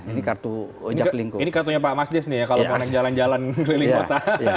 ini kartunya pak mas des kalau mau jalan jalan keliling kota